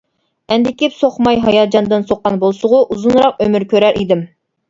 ئەندىكىپ سوقماي ھاياجاندىن سوققان بولسىغۇ ئۇزۇنراق ئۆمۈر كۆرەر ئىدىم.